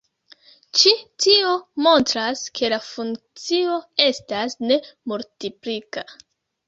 Ĉi tio montras ke la funkcio estas ne multiplika.